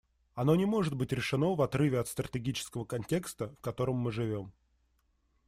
Оно не может быть решено в отрыве от стратегического контекста, в котором мы живем.